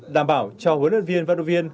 đảm bảo cho huấn luyện viên vận động viên